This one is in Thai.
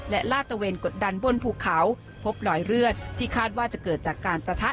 และลาดตะเวนกดดันบนภูเขาพบรอยเลือดที่คาดว่าจะเกิดจากการประทะ